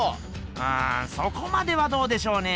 うんそこまではどうでしょうね？